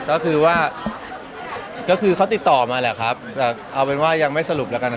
แสวได้ไงของเราก็เชียนนักอยู่ค่ะเป็นผู้ร่วมงานที่ดีมาก